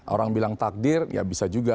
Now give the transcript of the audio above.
orang bilang takdir ya bisa juga